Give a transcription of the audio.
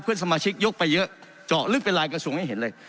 สมาชิกยกไปเยอะเจาะลึกเป็นลายกระทรวงให้เห็นเลย